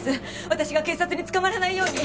私が警察に捕まらないように。